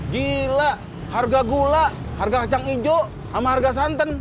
gila harga gula harga kacang hijau sama harga santan